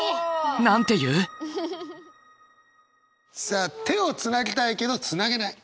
さあ手をつなぎたいけどつなげない。